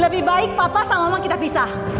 lebih baik papa sama mama kita pisah